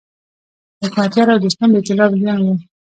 د حکمتیار او دوستم د ایتلاف جنګ و.